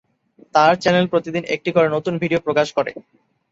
তার চ্যানেল প্রতিদিন একটি করে নতুন ভিডিও প্রকাশ করে।